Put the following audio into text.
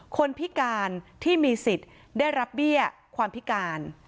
คนพิการที่มีสิทธิ์ได้รับเบี้ยความพิการ